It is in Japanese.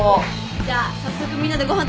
じゃあ早速みんなでご飯食べようか。